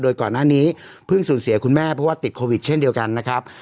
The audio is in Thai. โดยก่อนหน้านี้เพิ่งสูญเสียคุณแม่เพราะว่าติดโควิดเช่นเดียวกันนะครับ